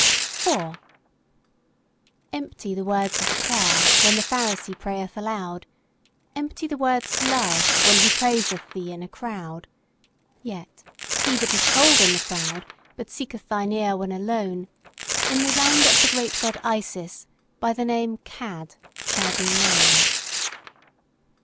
4 Empty the words of the prayer, when the Pharisee prayeth aloud; Empty the words of love, when he praiseth thee in a crowd. Yet, he that is cold in the crowd, but seeketh thine ear when alone, In the land of the Great God Isis by the name of "Cad" shall be known.